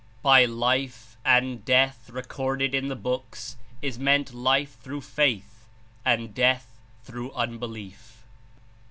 "By 'life' and *death' recorded in the Books is lOI meant life through faith and death through unbelief.